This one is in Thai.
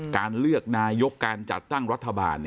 การเลือกนายกการจัดตั้งรัฐบาล